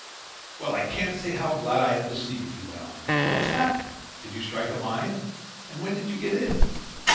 "Well, I can't say how glad I am to see you," he went on. "What's happened? Did you strike a mine? And when did you get in?"